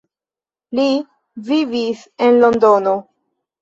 Lee vivis en Londono.